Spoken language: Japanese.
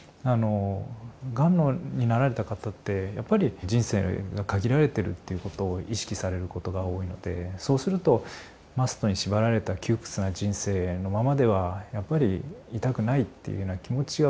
がんになられた方ってやっぱり人生が限られてるっていうことを意識されることが多いのでそうすると「ｍｕｓｔ」に縛られた窮屈な人生のままではやっぱりいたくないっていうような気持ちが動かれる方も多くて。